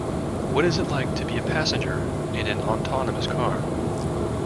What is it like to be a passenger in an autonomous car?